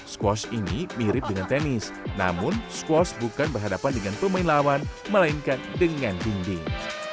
squash ini mirip dengan tenis namun squash bukan berhadapan dengan pemain lawan melainkan dengan dinding